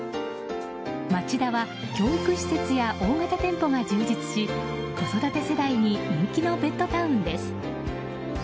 町田は教育施設や大型店舗が充実し子育て世代に人気のベッドタウンです。